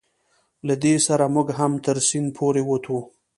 له دې سره موږ هم تر سیند پورې وتو.